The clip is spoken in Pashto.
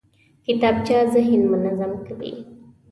کتابچه ذهن منظم کوي